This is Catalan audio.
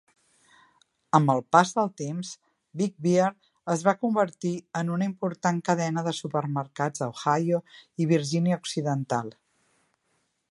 Amb el pas del temps, Big Bear es va convertir en una important cadena de supermercats a Ohio i Virgínia Occidental.